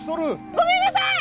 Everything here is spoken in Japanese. ごめんなさい！